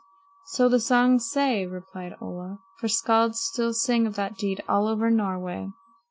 "So the songs say," replied Olaf, "for skalds still sing of that deed all over Norway."